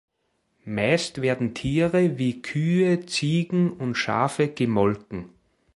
Meist werden Tiere wie Kühe, Ziegen und Schafe gemolken.